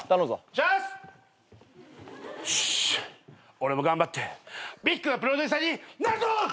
俺も頑張ってビッグなプロデューサーになるぞ！